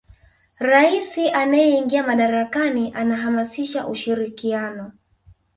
rais anayeingia madarakani anahamasisha ushirikiano